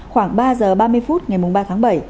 khoảng ba giờ ba mươi phút ngày ba tháng bảy